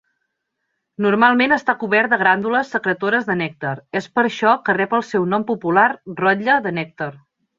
Normalment està cobert de glàndules secretores de nèctar, és per això que rep el seu nom popular, rotlle de nèctar.